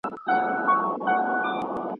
انسان ولي ټولنیز ژوند ته اړ دی؟